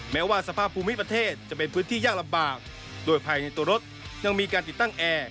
แม้ว่าสภาพภูมิประเทศจะเป็นพื้นที่ยากลำบากโดยภายในตัวรถยังมีการติดตั้งแอร์